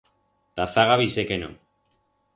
Ta zaga bisé que no.